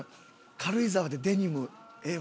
軽井沢でデニムええわ。